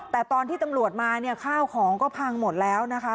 แต่ตอนที่ตำรวจมาเนี่ยข้าวของก็พังหมดแล้วนะคะ